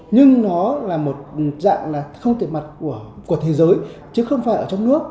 nhưng nó là một dạng là không tiền mặt của thế giới chứ không phải ở trong nước